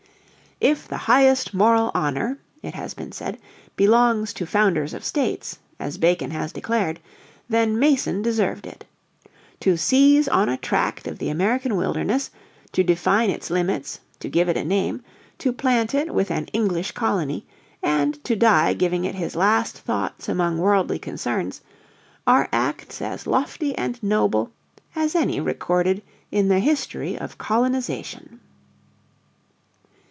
"If the highest moral honour," it has been said, "belongs to founders of states, as Bacon has declared, then Mason deserved it. To seize on a tract of the American wilderness, to define its limits, to give it a name, to plant it with an English colony, and to die giving it his last thoughts among worldly concerns, are acts as lofty and noble as any recorded in the history of colonisation."